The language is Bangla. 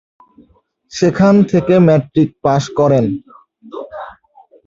সেখান থেকে ম্যাট্রিক পাশ করেন।